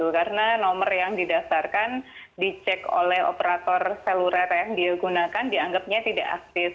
karena nomor yang didaftarkan dicek oleh operator seluler yang digunakan dianggapnya tidak aktif